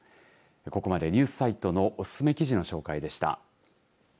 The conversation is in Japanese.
ここまでニュースサイトのおすすめ記事の紹介でした。